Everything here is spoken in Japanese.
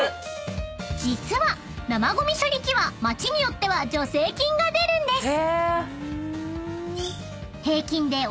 ［実は生ごみ処理機は町によっては助成金が出るんです］